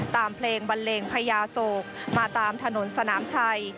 เพลงบันเลงพญาโศกมาตามถนนสนามชัย